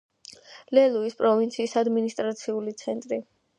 ლულუის პროვინციის ადმინისტრაციული ცენტრი.